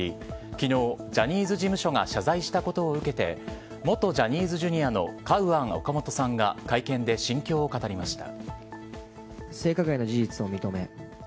昨日、ジャニーズ事務所が謝罪したことを受けて元ジャニーズＪｒ．のカウアン・オカモトさんが会見で心境を語りました。